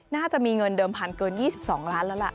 น่าจะมีเงินเดิมพันเกิน๒๒ล้านแล้วล่ะ